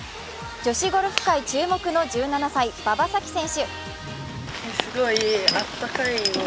女子ゴルフ界注目の１７歳、馬場咲希選手。